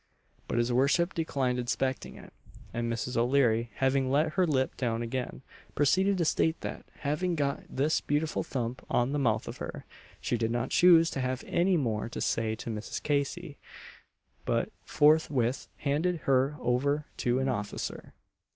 But his worship declined inspecting it; and Mrs. O'Leary, having let her lip down again, proceeded to state that, having got this beautiful thump on the mouth of her, she did not choose to have any more to say to Mrs. Casey, but forthwith handed her over to an officer.